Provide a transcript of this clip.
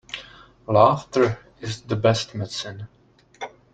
Laughter is the best medicine.